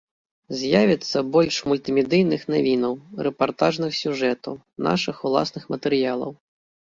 З'явіцца больш мультымедыйных навінаў, рэпартажных сюжэтаў, нашых уласных матэрыялаў.